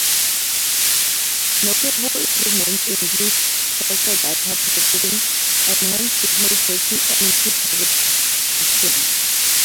Notable improvements include faster data processing, enhanced signal tracking, and improved target detection.